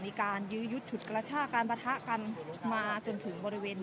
มีผู้ที่ได้รับบาดเจ็บและถูกนำตัวส่งโรงพยาบาลเป็นผู้หญิงวัยกลางคน